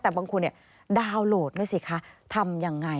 แต่บางคนดาวน์โหลดไม่สิคะทำอย่างไร